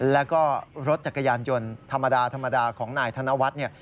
และก็รถจักรยานยนต์ธรรมดาของนายธนวัฒน์